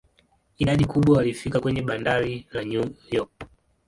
Idadi kubwa walifika kwenye bandari la New York.